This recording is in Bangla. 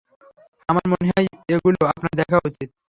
আমার মনে হয় এগুলো আপনার দেখা উচিৎ!